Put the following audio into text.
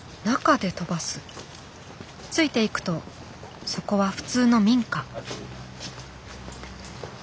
ついていくとそこは普通の民家。